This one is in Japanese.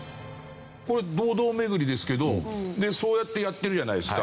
これ堂々巡りですけどでそうやってやってるじゃないですか。